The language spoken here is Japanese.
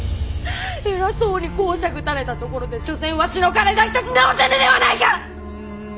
偉そうに講釈たれたところで所詮わしの体一つ治せぬではないか！